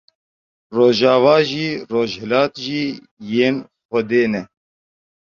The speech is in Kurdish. Rojava jî, rojhilat jî yên Xwedê ne.